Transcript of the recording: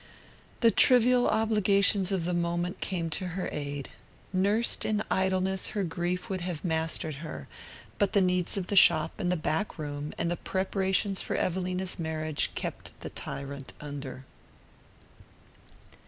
The trivial obligations of the moment came to her aid. Nursed in idleness her grief would have mastered her; but the needs of the shop and the back room, and the preparations for Evelina's marriage, kept the tyrant under.